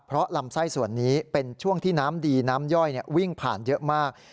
เพราะลำไส้ส่วนนี้เป็นช่วงที่น้ำดีน้ำย่อยวิ่งผ่านเยอะมาก